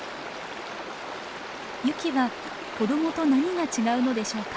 ユキは子どもと何が違うのでしょうか？